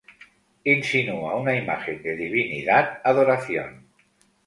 Insinúa una imagen de divinidad, adoración.